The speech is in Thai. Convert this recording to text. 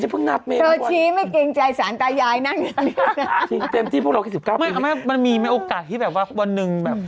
หนูหนูนสามสิบหนูน